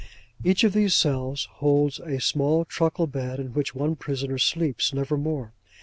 Each of these cells holds a small truckle bed, in which one prisoner sleeps; never more.